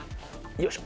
よいしょ。